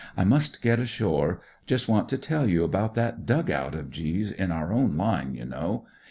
I must get ashore. Just want to tell you about that dug out of G 's in oi r own hne, you know.